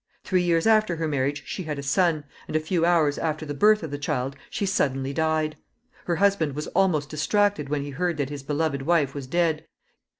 Three years after her marriage she had a son, and a few hours after the birth of the child she suddenly died. Her husband was almost distracted when he heard that his beloved wife was dead.